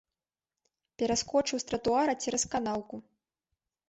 Пераскочыў з тратуара цераз канаўку.